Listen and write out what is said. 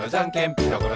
ピタゴラ